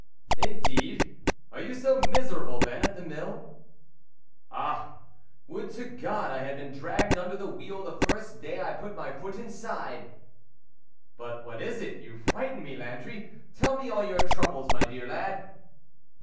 " Indeed ! Are you so miserable then at the mill ?"" Ah ! would to God I had been dragged under the wheel the first day I put my foot inside it !"" But what is it ? you frighten me, Landry !... tell me all your troubles, my dear lad."